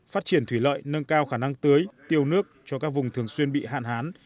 phát triển thủy lợi nâng cao khả năng tưới tiêu nước cho các vùng thường xuyên bị hạn hán